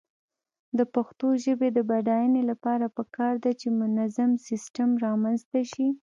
د پښتو ژبې د بډاینې لپاره پکار ده چې منظم سیسټم رامنځته شي.